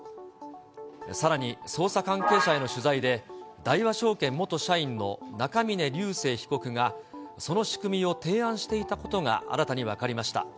さらに捜査関係者への取材で、大和証券元社員の中峯竜晟被告が、その仕組みを提案していたことが新たに分かりました。